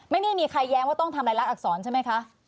ไม่มีใครแย้งว่าต้องทำรายละอักษรใช่ไหมคะ